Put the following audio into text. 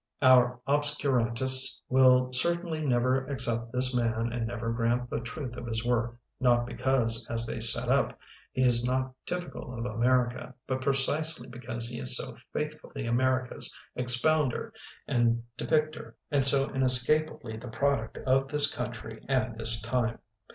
Our obscurantists will certainly never accept this man and never grant the truth of his work, not because, as they set up, he is not typical of America, but precisely because he is so faith fully America's expounder and de picter and so inescapably the product of this country and this time.